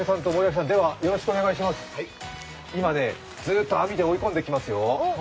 今、ずっと網で追い込んでいきますよ。